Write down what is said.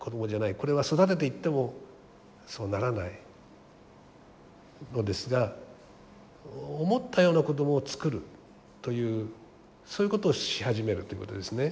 これは育てていってもそうならないのですが思ったような子供を作るというそういうことをし始めるということですね。